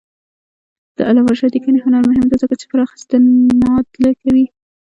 د علامه رشاد لیکنی هنر مهم دی ځکه چې پراخ استناد کوي.